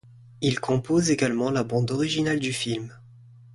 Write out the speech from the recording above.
Il compose également la bande originale du film.